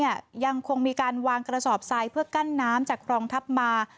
ยังคงมีการวางกระสอบทรายเพื่อกั้นน้ำจากครองทัพมา